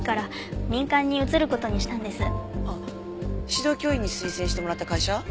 指導教員に推薦してもらった会社？